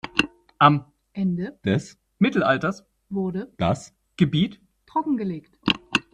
Am Ende des Mittelalters wurde das Gebiet trockengelegt.